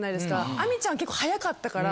亜美ちゃん結構速かったから。